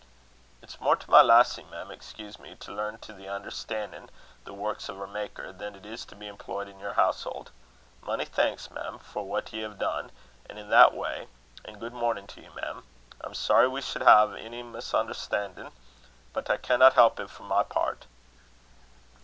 "It's more to my lassie, mem, excuse me, to learn to unnerstan' the works o' her Maker, than it is to be employed in your household. Mony thanks, mem, for what ye hev' done in that way afore; an' good mornin' to ye, mem. I'm sorry we should hae ony misunderstandin', but I canna help it for my pairt."